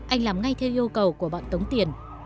anh làm ngay theo yêu cầu của bọn tống tiền